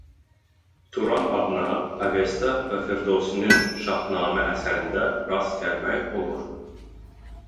Turan adına Avesta və Firdovsinin "Şahnamə" əsərində rast gəlmək olur.